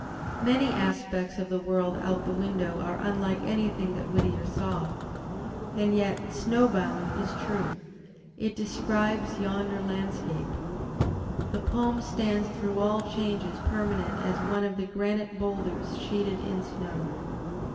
Many aspects of the world out the window are unlike anything that Whittier saw. And yet "Snow Bound" is true; it describes yonder landscape. The poem stands through all changes permanent as one of the granite boulders sheeted in snow.